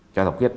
cho thọc khiết